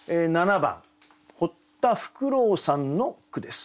７番堀田福朗さんの句です。